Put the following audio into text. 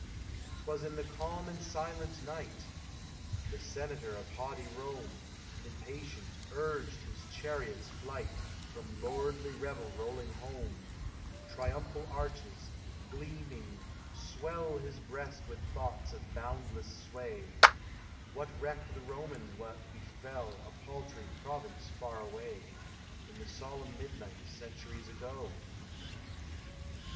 'T was in the calm and silent night! The senator of haughty Rome, Impatient, urged his chariot's flight, From lordly revel rolling home; Triumphal arches, gleaming, swell His breast with thoughts of boundless sway; What recked the Roman what befell A paltry province far away, In the solemn midnight, Centuries ago?